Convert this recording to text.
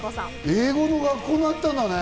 英語の学校になったんだね。